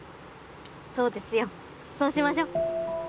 そうですよそうしましょう。